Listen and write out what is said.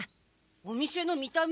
お店の見た目